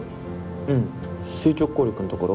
うん垂直抗力のところ？